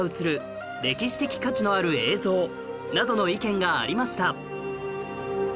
などの意見がありました